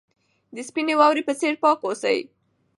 د سپینې واورې په څېر پاک اوسئ.